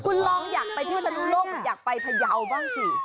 คุณลองอยากไปเที่ยวสนุนโลกอยากไปพยาวบ้างสิ